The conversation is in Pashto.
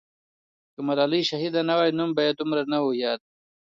که ملالۍ شهیده نه وای، نوم به یې دومره نه وو یاد.